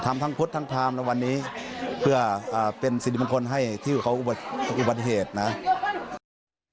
ทำทั้งพุทธทั้งพรามในวันนี้เพื่อเป็นสิริมงคลให้ที่เขาอุบัติเหตุนะครับ